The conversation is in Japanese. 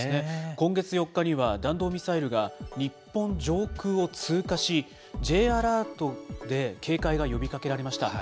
今月４日には、弾道ミサイルが日本上空を通過し、Ｊアラートで警戒が呼びかけられました。